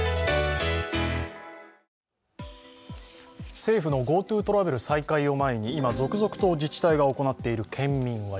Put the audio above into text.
政府のＧｏＴｏトラベル再開を前に今、続々と自治体が行っている県民割。